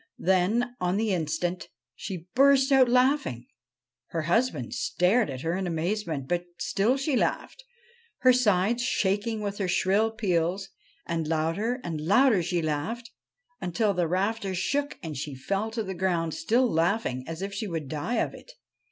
Then, on the instant, she burst out laughing. Her husband stared at her in amazement, but still she laughed, her sides shaking with her shrill peals ; and louder and louder she laughed, until the rafters shook and she fell to the ground, still laughing as if she would die of it.